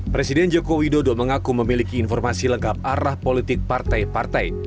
presiden joko widodo mengaku memiliki informasi lengkap arah politik partai partai